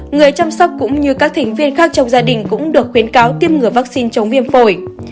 người chăm sóc cũng như các thành viên khác trong gia đình cũng được khuyến cáo tiêm ngừa vaccine chống viêm phổi